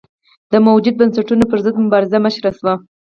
د موجوده بنسټونو پرضد مبارزې مشر شو.